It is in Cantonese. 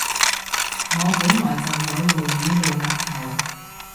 我本來就有露耳露額頭